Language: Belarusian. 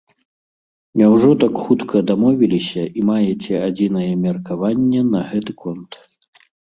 Няўжо так хутка дамовіліся і маеце адзінае меркаванне на гэты конт?